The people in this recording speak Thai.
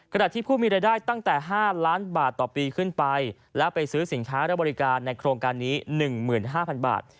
ขณะที่ผู้มีรายได้ตั้งแต่๕ล้านบาทต่อปีขึ้นไปและไปซื้อสินค้าและบริการในโครงการนี้๑๕๐๐๐บาท